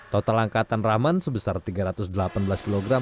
total angkatan raman sebesar tiga ratus delapan belas kg